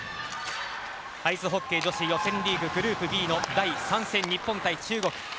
アイスホッケー女子予選リーググループＢの第３戦日本対中国。